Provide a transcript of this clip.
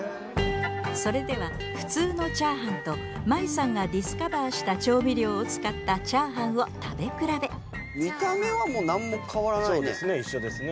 それでは普通の炒飯とまいさんがディスカバーした調味料を使った炒飯を食べ比べ見た目はもう何も変わらないねそうですね一緒ですね